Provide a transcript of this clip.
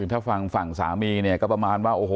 ถ้าฟังฝั่งสามีก็ประมาณว่า